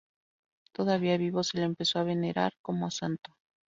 Todavía vivo se le empezó a venerar como santo.